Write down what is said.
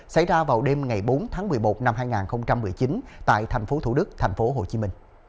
xảy ra vào đêm ngày bốn tháng một mươi một năm hai nghìn một mươi chín tại thành phố thủ đức tp hcm